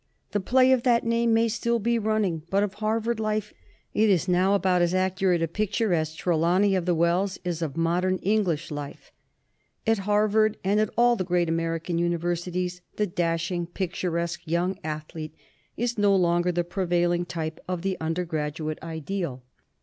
The play of that name may still be running, but of Harvard life it is now about as accurate a picture as Trelawney of the Wells is of modern English life. At Harvard, and at all the great American universities, the dashing, picturesque young ath lete is no longer the prevailing type of the under graduate ideal.